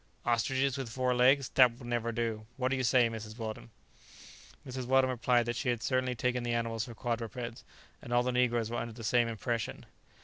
"Ostriches with four legs! that will never do! what do you say. Mrs. Weldon?" Mrs. Weldon replied that she had certainly taken the animals for quadrupeds, and all the negroes were under the same impression.